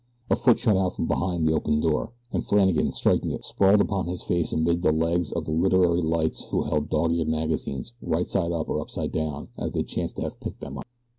A foot shot out from behind the opened door, and Flannagan, striking it, sprawled upon his face amidst the legs of the literary lights who held dog eared magazines rightside up or upside down, as they chanced to have picked them up.